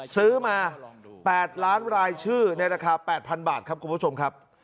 ซื้อมา๘ล้านรายชื่อในราคา๘๐๐บาทครับคุณผู้ชมครับ